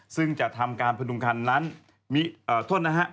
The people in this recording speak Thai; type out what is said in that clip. ซึ่งจะทำการพดุงคันนั้นมีโทษนะฮะ